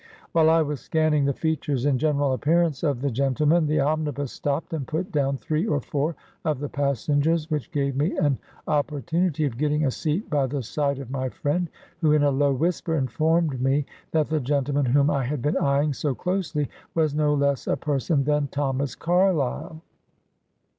While I was scanning the features and general appearance of the gentleman, the omnibus stopped and put down three or four of the passengers, which gave me an opportu nity of getting a seat by the side of my friend, who, in a low whisper, informed me that the gentleman whom I had been eyeing so closely was no less a person than Thomas Carlyle.